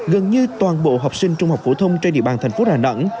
gần như toàn bộ học sinh trung học phổ thông trên địa bàn thành phố đà nẵng